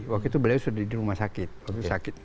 waktu itu beliau sudah di rumah sakit